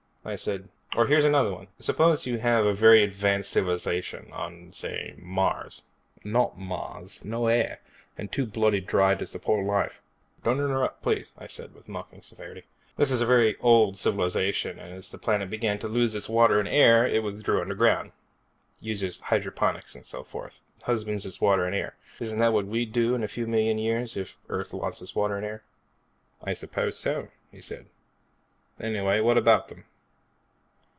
I said, "Or, here's another one. Suppose you have a very advanced civilization on, say, Mars." "Not Mars. No air, and too bloody dry to support life." "Don't interrupt, please," I said with mock severity. "This is a very old civilization and as the planet began to lose its water and air, it withdrew underground. Uses hydroponics and so forth, husbands its water and air. Isn't that what we'd do, in a few million years, if Earth lost its water and air?" "I suppose so," he said. "Anyway, what about them?"